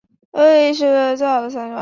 这亦是英国最受欢迎的丧礼挽曲。